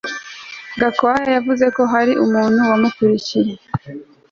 Gakwaya yavuze ko hari umuntu wamukurikiye